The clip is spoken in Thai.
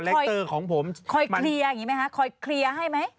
คุมแล้วคอยคลี่ย่าง่ายไหมคะคอยคลี่ย่าให้ไหม